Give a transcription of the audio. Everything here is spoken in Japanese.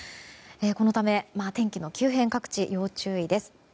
このため、天気の急変各地、要注意です。